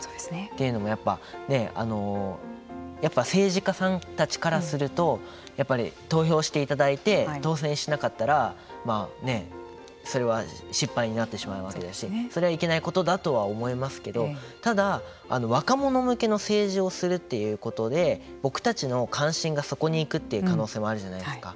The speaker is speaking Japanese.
というのもやっぱり政治家さんたちからするとやっぱり投票していただいて当選しなかったらそれは失敗になってしまいますしそれはいけないことだと思いますけれどもただ、若者向けの政治をするということで僕たちの関心がそこに行くという可能性もあるじゃないですか。